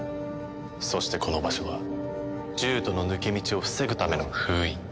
そしてこの場所は獣人の抜け道を防ぐための封印。